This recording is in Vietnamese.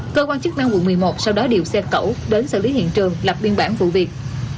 cơ quan chức năng quận một mươi một sau đó điều xe cẩu đến xử lý hiện trường lập biên bản vụ việc